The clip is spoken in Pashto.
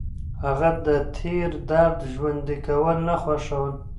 هغه د تېر درد ژوندي کول نه خوښول.